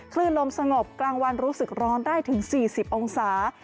คลื่นลมสงบกลางวันรู้สึกร้อนได้ถึง๔๐องศา